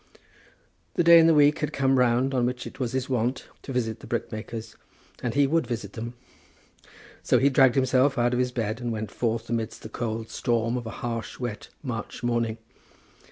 The day in the week had come round on which it was his wont to visit the brickmakers, and he would visit them. So he dragged himself out of his bed and went forth amidst the cold storm of a harsh wet March morning.